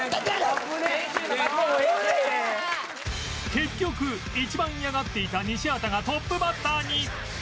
結局一番嫌がっていた西畑がトップバッターに